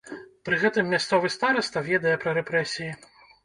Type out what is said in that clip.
Пры гэтым мясцовы стараста ведае пра рэпрэсіі.